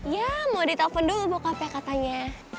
ya mau ditelepon dulu bokapnya katanya